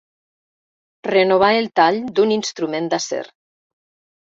Renovar el tall d'un instrument d'acer.